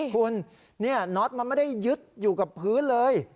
คุณนี่น็อตมันไม่ได้ยึดอยู่กับพื้นเลย